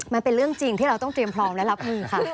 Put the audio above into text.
มันเป็นเรื่องจริงที่เราต้องเตรียมพร้อมและรับมือค่ะ